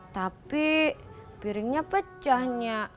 tapi piringnya pecah nya